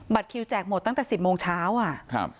คิวแจกหมดตั้งแต่สิบโมงเช้าอ่ะครับ